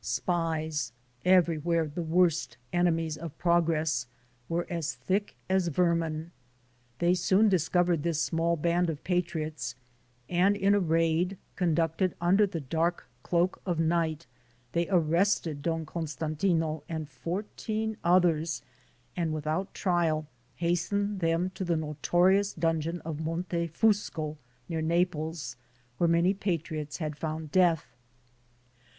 Spies, everywhere the worst enemies of progress, were as thick as vermin. They soon dis covered this small band of patriots, and in a raid conducted under the dark cloak of night, they ar rested Don Costantino and fourteen others and without trial hastened them to the notorious dungeon of Montefusco, near Naples, where many patriots had found death.